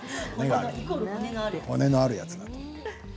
骨のあるやつだと。